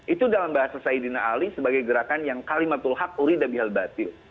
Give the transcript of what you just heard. itu dalam bahasa saidina ali sebagai gerakan yang kalimatul haq uridabial batil